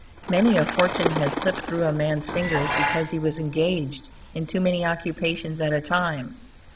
Many a fortune has slipped through a man's fingers because he was engaged in too many occupations at a time.